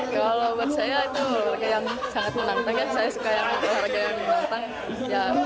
kalau buat saya itu olahraga yang sangat menantang ya saya suka yang olahraga yang menantang